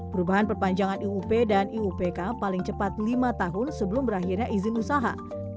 perubahan perpanjangan iup dan iupk paling cepat lima tahun sebelum berakhirnya izin usaha